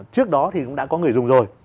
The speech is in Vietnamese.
trước đó thì cũng đã có người dùng rồi